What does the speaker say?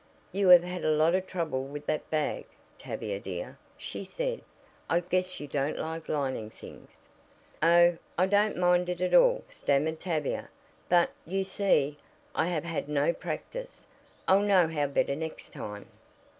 "You have had a lot of trouble with that bag, Tavia, dear," she said, "I guess you don't like lining things." "Oh, I don't mind it at all," stammered Tavia, "but, you see, I have had no practice. I'll know how better next time."